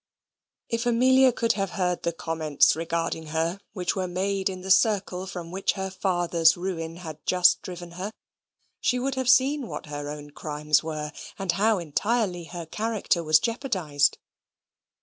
If Amelia could have heard the comments regarding her which were made in the circle from which her father's ruin had just driven her, she would have seen what her own crimes were, and how entirely her character was jeopardised.